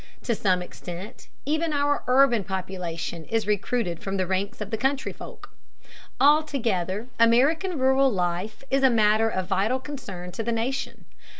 To some extent even our urban population is recruited from the ranks of the country folk. Altogether, American rural life is a matter of vital concern to the nation.